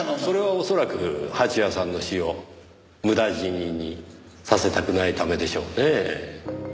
それは恐らく蜂矢さんの死を無駄死ににさせたくないためでしょうねぇ。